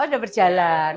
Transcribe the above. oh sudah berjalan